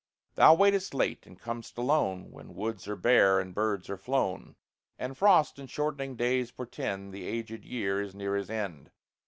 Thou waitest late, and com'st alone, When woods are bare and birds are flown, And frost and shortening days portend The aged Year is near his end.